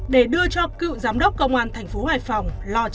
để đưa cho cựu giám đốc công an thành phố hoài phòng